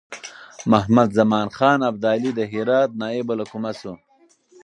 محمدزمان خان ابدالي د هرات نایب الحکومه شو.